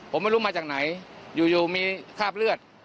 ผมไม่รู้มาจากไหนอยู่มีคราบเลือด